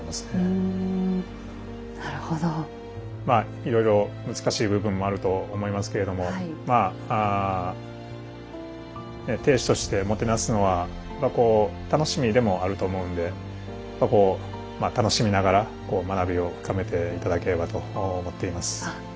まあいろいろ難しい部分もあると思いますけれどもまあ亭主としてもてなすのはこう楽しみでもあると思うんでこう楽しみながら学びを深めて頂ければと思っています。